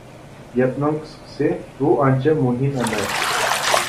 گەپنىڭ قىسقىسى، بۇ ئانچە مۇھىم ئەمەس.